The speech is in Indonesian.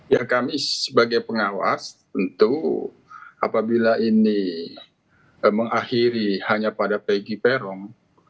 ya kami sebagai pengawas tentu apabila ini mengakhiri hanya pada pegi peron